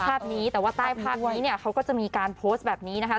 ภาพนี้แต่ว่าใต้ภาพนี้เนี่ยเขาก็จะมีการโพสต์แบบนี้นะคะ